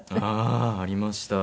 ああありました。